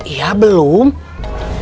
iya belum mak